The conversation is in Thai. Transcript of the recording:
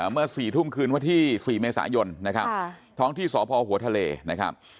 เมื่อ๔ทุ่มคืนวันที่๔เมษายนนะครับท้องที่สพหัวทะเลนะครับ